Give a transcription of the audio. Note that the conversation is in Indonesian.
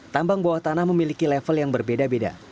tambang buatanah memiliki level yang berbeda beda